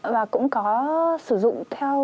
và cũng có sử dụng theo